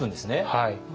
はい。